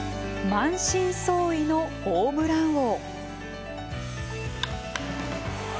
満身創痍のホームラン王。